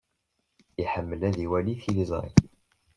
Iḥemmel ad iwali tiliẓri.